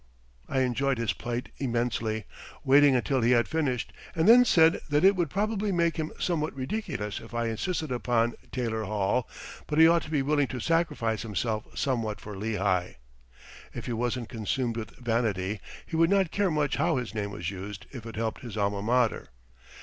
I enjoyed his plight immensely, waiting until he had finished, and then said that it would probably make him somewhat ridiculous if I insisted upon "Taylor Hall," but he ought to be willing to sacrifice himself somewhat for Lehigh. If he wasn't consumed with vanity he would not care much how his name was used if it helped his Alma Mater.